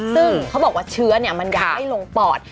ซึ่งเขาบอกว่าเชื้อเนี่ยมันกลายลงปอด